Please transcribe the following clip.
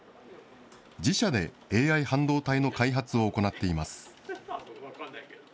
自社でＡＩ半導体の開発を行っています。